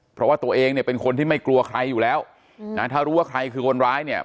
เพราะว่าตัวเองเนี่ยเป็นคนที่ไม่กลัวใครอยู่แล้วนะถ้ารู้ว่าใครคือคนร้ายเนี่ย